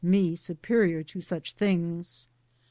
139 me superior to such things.